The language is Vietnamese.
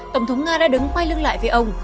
tổng thống nga đã đứng quay lưng lại với ông